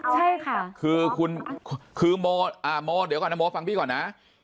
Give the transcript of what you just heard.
ใช่ค่ะคือคุณคือโมเดี๋ยวก่อนนะโมฟังพี่ก่อนนะ